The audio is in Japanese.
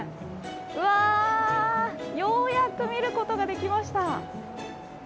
うわー、ようやく見ることができました。